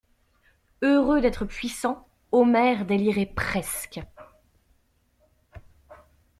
Heureux d'être puissant, Omer délirait presque.